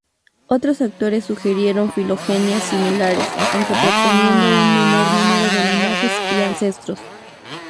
Otros autores sugirieron filogenias similares, aunque proponiendo un menor número de linajes y ancestros.